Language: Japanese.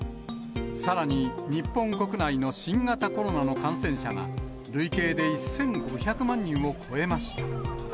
さらに、日本国内の新型コロナの感染者が、累計で１５００万人を超えました。